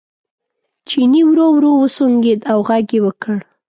چیني ورو ورو وسونګېد او غږ یې وکړ.